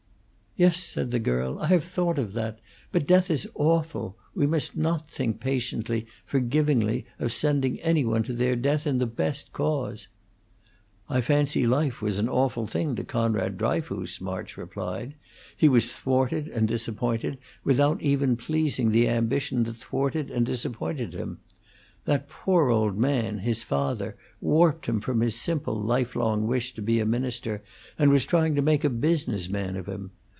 "Yes," said the girl; "I have thought of that. But death is awful; we must not think patiently, forgivingly of sending any one to their death in the best cause." "I fancy life was an awful thing to Conrad Dryfoos," March replied. "He was thwarted and disappointed, without even pleasing the ambition that thwarted and disappointed him. That poor old man, his father, warped him from his simple, lifelong wish to be a minister, and was trying to make a business man of him.